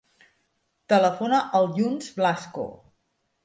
Telefona al Younes Blasco.